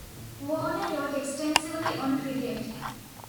Warner wrote extensively on cricket.